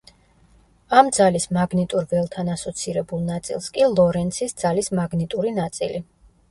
ამ ძალის მაგნიტურ ველთან ასოცირებულ ნაწილს კი ლორენცის ძალის მაგნიტური ნაწილი.